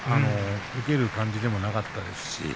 受ける感じでもなかったですし